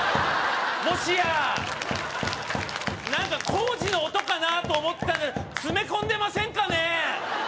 もしや何か工事の音かなと思ってたけど詰め込んでませんかね？